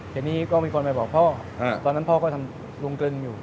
ทีนี้ก็มีคนไปบอกพ่อตอนนั้นพ่อก็ทำลุงกลึงอยู่